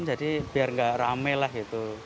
jadi biar gak rame lah gitu